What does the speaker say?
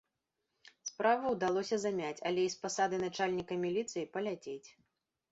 Справу ўдалося замяць, але і з пасады начальніка міліцыі паляцець.